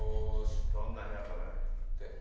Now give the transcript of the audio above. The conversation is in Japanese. どんな部屋かね？